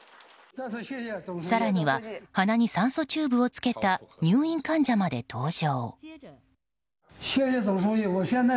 更には鼻に酸素チューブを付けた入院患者まで登場。